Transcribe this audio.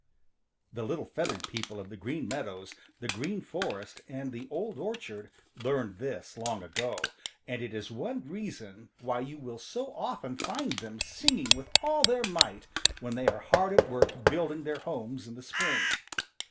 = |The little feathered people of the Green Meadows, the Green Forest and the Old Orchard learned this long ago, and it is one reason why you will so often find them singing with all their might when they are hard at work building their homes in the spring.